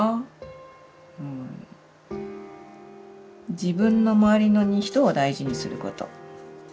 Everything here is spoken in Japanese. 「自分のまわりの人を大事にすること」。